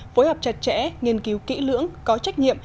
phối hợp chặt chẽ nghiên cứu kỹ lưỡng có trách nhiệm